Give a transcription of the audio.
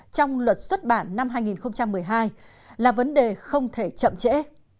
trong luật xuất bản năm hai nghìn một mươi hai là vấn đề không thể chậm trễ